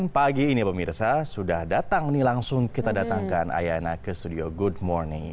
pagi ini pemirsa sudah datang nih langsung kita datangkan ayana ke studio good morning